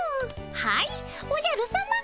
はいおじゃるさま。